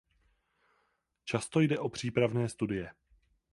Často jde o přípravné studie.